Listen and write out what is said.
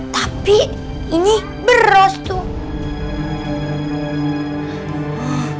tapi ini beras tuh